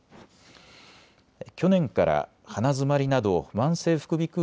去年から鼻詰まりなど慢性副鼻くう